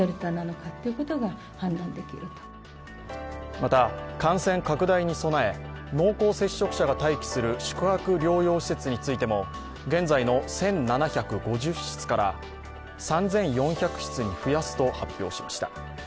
また、感染拡大に備え濃厚接触者が待機する宿泊療養施設についても現在の１７５０室から３４００室に増やすと発表しました。